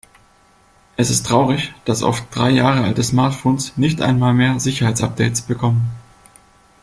Es ist traurig, dass oft drei Jahre alte Smartphones nicht einmal mehr Sicherheitsupdates bekommen.